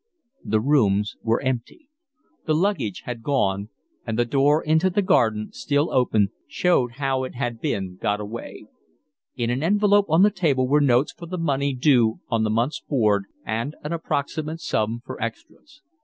The rooms were empty. The luggage had gone, and the door into the garden, still open, showed how it had been got away. In an envelope on the table were notes for the money due on the month's board and an approximate sum for extras.